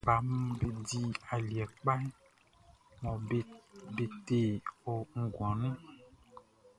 Kɛ baʼm be di aliɛ kpa mɔ be te o nguan nunʼn.